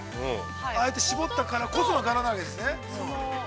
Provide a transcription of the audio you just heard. ◆ああやって絞ったからこそ柄になるわけですね。